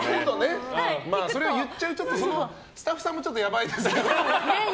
それを言っちゃうスタッフさんもやばいですけど。